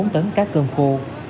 bốn tấn cá cơm khô